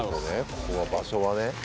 ここは場所はね」